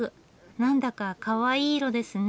何だかかわいい色ですね。